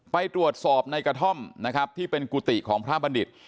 ไปตรวจสอบในกระท่อมนะครับที่เป็นกุฏิของพระบัณฑิต